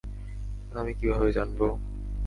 আমি কীভাবে জানবো?